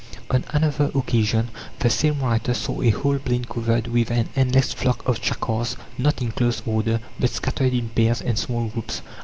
On another occasion the same writer saw a whole plain covered with an endless flock of chakars, not in close order, but scattered in pairs and small groups.